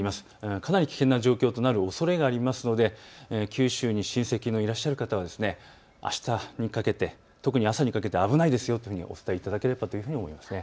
かなり危険な状況となるおそれがありますので九州に親戚がいらっしゃる方はあしたにかけて特に朝にかけて危ないですよとお伝えいただければと思います。